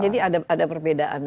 jadi ada perbedaan